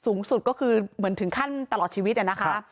สูงสุดก็คือเหมือนถึงขั้นตลอดชีวิตนะคะ